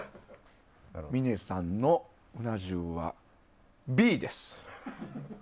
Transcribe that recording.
峰さんのうな重は、Ｂです。